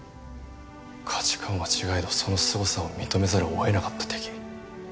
価値観は違えどそのすごさを認めざるを得なかった敵。